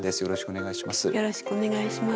よろしくお願いします。